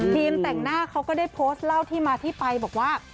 แต่งหน้าเขาก็ได้โพสต์เล่าที่มาที่ไปบอกว่า